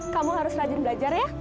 kamu harus rajin belajar ya